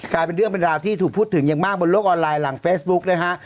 เป็นเรื่องเป็นราวที่ถูกพูดถึงอย่างมากบนโลกออนไลน์หลังเฟซบุ๊กนะฮะ